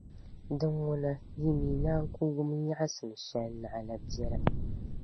din ŋuna yi mi naan ku wum nyεɣisim shεli naɣila biɛla.